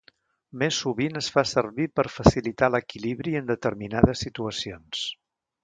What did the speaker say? Més sovint es fa servir per facilitar l'equilibri en determinades situacions.